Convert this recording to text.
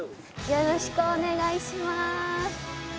よろしくお願いします。